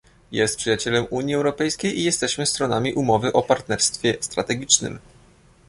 Jest przyjacielem Unii Europejskiej i jesteśmy stronami Umowy o partnerstwie strategicznym